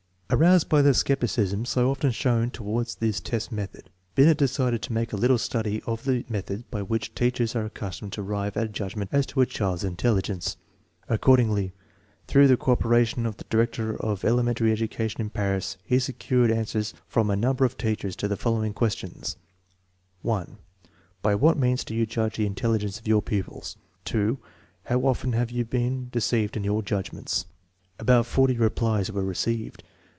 1 Aroused by the skepticism so often shown toward his test method, Binet decided to make a little study of the methods by which teachers are accustomed to arrive at a judgment as to a child's intelligence. Accord ingly, through the cooperation of the director of elementary education in Paris, he secured answers from a number of teachers to the following questions: 1 . KH what, wctiHit (to you jmlyv the intdUtjMiw of your ywpiU? &. How of fan haw you, own tlmtwd in your judymvntx? About 40 replies were received.